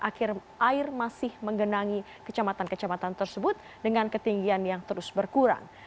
akhir air masih menggenangi kejamatan kejamatan tersebut dengan ketinggian yang terus berkurang